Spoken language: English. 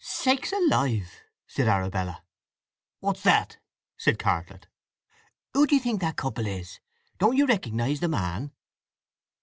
"Sakes alive!" said Arabella. "What's that?" said Cartlett. "Who do you think that couple is? Don't you recognize the man?"